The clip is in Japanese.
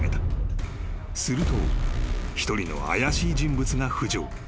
［すると一人の怪しい人物が浮上］